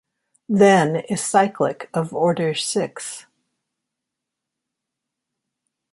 Then is cyclic of order six.